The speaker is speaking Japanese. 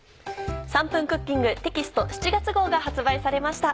『３分クッキング』テキスト７月号が発売されました。